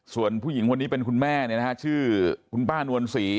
ส่วนผู้หญิงคนนี้เป็นคุณแม่ชื่อคุณป้านวลศรี